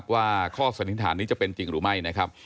ว่าข้อสนิทฐานนี้จะเป็นจริงหรือไม่